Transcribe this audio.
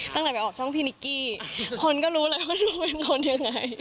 ตั้งแต่ไปออกช่องพี่นิกกี้คนก็รู้แล้วว่าลูกเป็นคนยังไง